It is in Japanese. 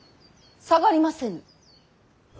下がりませぬ。